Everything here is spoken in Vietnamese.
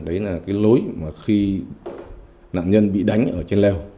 đấy là cái lối mà khi nạn nhân bị đánh ở trên leo